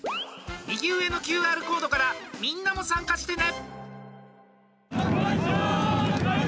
右上のＱＲコードからみんなも参加してね！